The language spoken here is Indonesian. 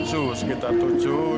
tujuh sekitar tujuh